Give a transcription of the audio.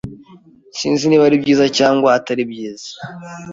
Sinzi niba ari byiza cyangwa atari byiza.